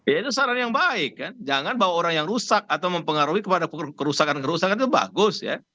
ya itu saran yang baik kan jangan bawa orang yang rusak atau mempengaruhi kepada kerusakan kerusakan itu bagus ya